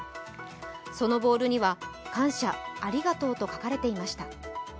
そのボールには「感謝、ありがとう」と書かれていました。